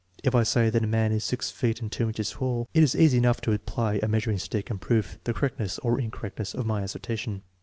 If I say that a man is six feet and two inches tall, it is easy enough to apply a measuring stick and prove the correctness or incorrectness of my as sertion.